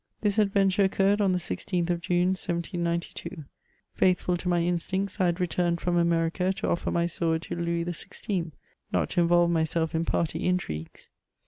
This adventure occurred on the 16th of June, 1792. Faithful to my instincts, I had returned from America to offer my sword to Louis XVI., not to involve myself in party intrigues.